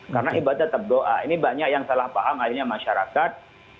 karena ibadah tetap doa ini banyak yang salah paham akhirnya masyarakat